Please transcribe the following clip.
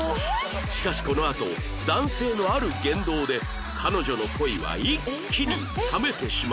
しかしこのあと男性のある言動で彼女の恋は一気に冷めてしまうのです